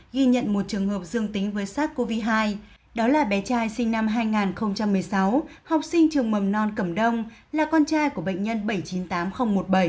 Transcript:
ghi nhận một trường hợp dương tính với sars cov hai đó là bé trai sinh năm hai nghìn một mươi sáu học sinh trường mầm non cầm đông là con trai của bệnh nhân bảy trăm chín mươi tám nghìn một mươi bảy